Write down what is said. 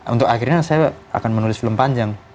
untuk akhirnya saya akan menulis film panjang